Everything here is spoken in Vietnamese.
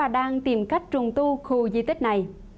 đã tìm cách trùng tu khu di tích này